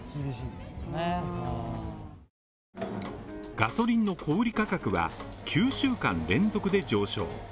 ガソリンの小売価格は、９週間連続で上昇。